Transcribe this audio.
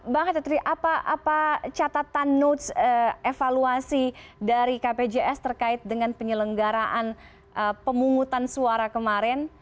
bang katedri apa catatan notes evaluasi dari kpjs terkait dengan penyelenggaraan pemungutan suara kemarin